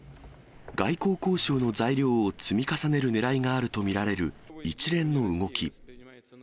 外交交渉の材料を積み重ねるねらいがあると見られる一連の動き。